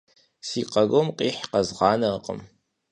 Си къарум къихь къэзгъанэркъым.